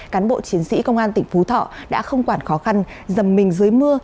cán bộ chiến sĩ công an tỉnh phú thọ đã không quản khó khăn dầm mình dưới mưa